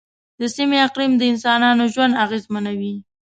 د سیمې اقلیم د انسانانو ژوند اغېزمنوي.